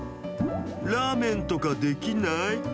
ラーメンとかできない？